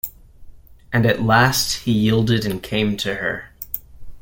And at last he yielded and came to her.